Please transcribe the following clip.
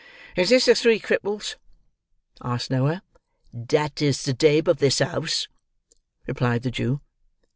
"Is this the Three Cripples?" asked Noah. "That is the dabe of this 'ouse," replied the Jew.